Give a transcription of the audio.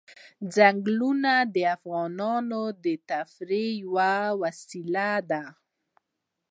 ځنګلونه د افغانانو د تفریح یوه وسیله ده.